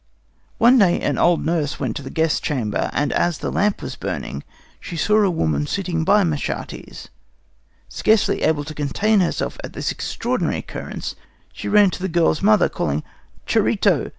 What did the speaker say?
"One day an old nurse went to the guest chamber, and as the lamp was burning, she saw a woman sitting by Machates. Scarcely able to contain herself at this extraordinary occurrence, she ran to the girl's mother, calling: 'Charito!